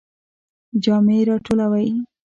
جامی را ټولوئ؟